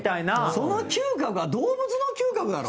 その嗅覚は、動物の嗅覚だろ？